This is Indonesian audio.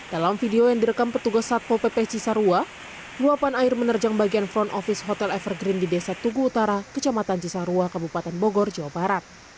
dalam video yang direkam petugas satpo pp cisarua luapan air menerjang bagian front office hotel evergreen di desa tugu utara kecamatan cisarua kabupaten bogor jawa barat